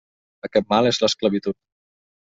Aquest mal és l'esclavitud.